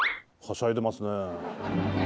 はしゃいでますね。